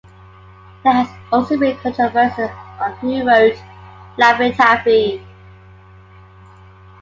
There has also been controversy on who wrote "Laffy Taffy".